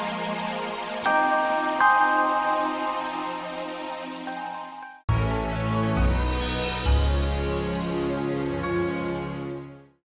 jalan bukan lo yang jalan